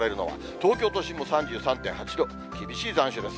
東京都心も３３．８度、厳しい残暑です。